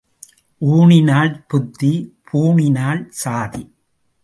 ஊணினால் புத்தி பூணினால் சாதி.